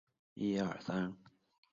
从此饮食都需要非常注意